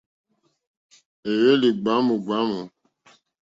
Éhwélì ɡbwámù ɡbwámù.